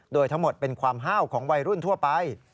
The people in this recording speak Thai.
โดยทั้งหมดเป็นความห้าวของวัยรุ่นทั่วไป